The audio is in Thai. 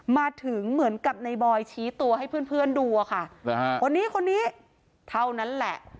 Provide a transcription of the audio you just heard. มาถึงเหมือนกับในบอยชี้ตัวให้เพื่อนเพื่อนดูอะค่ะคนนี้คนนี้เท่านั้นแหละ